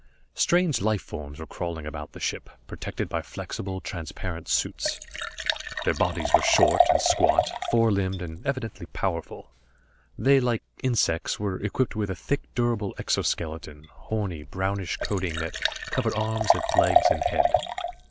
Strange life forms were crawling about the ship, protected by flexible, transparent suits. Their bodies were short, and squat, four limbed and evidently powerful. They, like insects, were equipped with a thick, durable exoskeleton, horny, brownish coating that covered arms and legs and head.